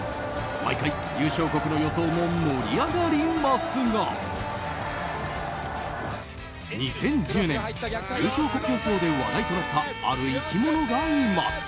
毎回、優勝国の予想も盛り上がりますが２０１０年優勝国予想で話題となったある生き物がいます。